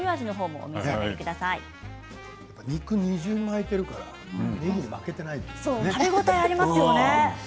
お肉を二重に巻いているからねぎに負けないですよね。